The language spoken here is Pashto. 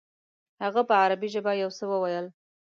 هغه په عربي ژبه یو څه وویل.